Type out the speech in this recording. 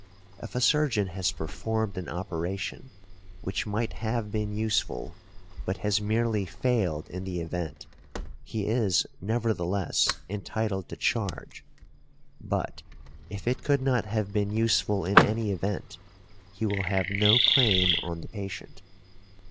If a surgeon has performed an operation which might have been useful but has merely failed in the event, he is nevertheless, entitled to charge; but, if it could not have been useful in any event, he will have no claim on the patient .